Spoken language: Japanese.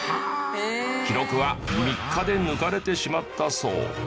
記録は３日で抜かれてしまったそう。